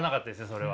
それは。